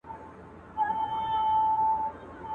په دربار کي یوه لویه هنګامه وه.